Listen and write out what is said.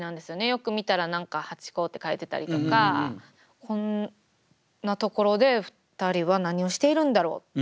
よく見たら何か「ハチ公」って書いてたりとかこんなところで２人は何をしているんだろう。